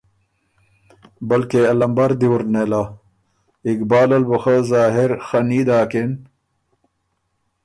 بلکې که ا لمبر دی وُر نېله۔ اقبال ال بُو خه ظاهر خني داکِن